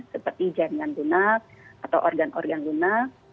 seperti jaringan guna atau organ organ guna